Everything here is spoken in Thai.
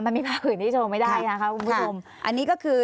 แต่มีภาพอื่นที่โชว์ไม่ได้นะคะกุมมือทมค่ะอ่านี่ก็คือ